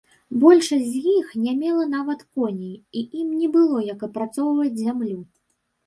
Большасць з іх не мела нават коней і ім не было як апрацоўваць зямлю.